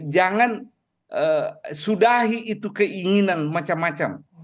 jangan sudahi itu keinginan macam macam